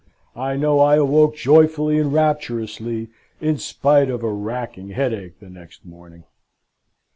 I know I awoke joyfully and rapturously, in spite of a racking headache the next morning.